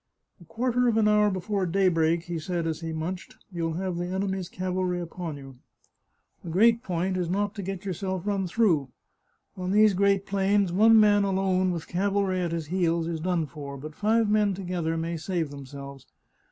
" A quarter of an hour before daybreak," he said as he munched, " you'll have the enemy's cavalry upon you. The great point is not to get yourselves run through. On these great plains one man alone with cavalry at his heels is done for, but five men together may save themselves.